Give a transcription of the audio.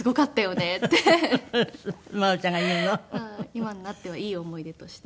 今となってはいい思い出として。